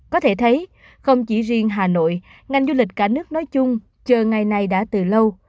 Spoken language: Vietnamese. có thể thấy không chỉ riêng hà nội ngành du lịch cả nước nói chung chờ ngày này đã từ lâu